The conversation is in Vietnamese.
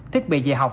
thiết bị dạy học